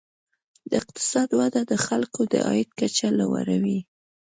د اقتصاد وده د خلکو د عاید کچه لوړوي.